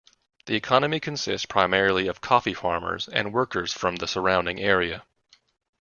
The economy consists primarily of coffee farmers and workers from the surrounding area.